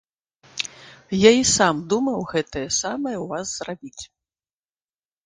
Я і сам думаў гэтае самае ў вас зрабіць.